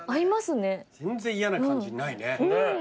全然嫌な感じないね。